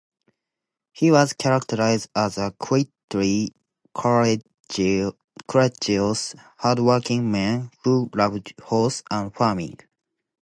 He was characterized as a quietly courageous, hardworking man who loved horses and farming.